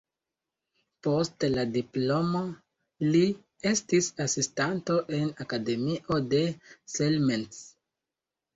Post la diplomo li estis asistanto en Akademio de Selmec.